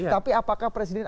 tapi apakah presiden